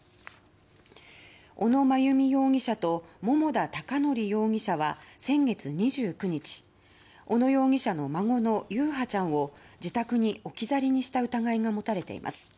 小野真由美容疑者と桃田貴徳容疑者は先月２９日、小野容疑者の孫の優陽ちゃんを自宅に置き去りにした疑いが持たれています。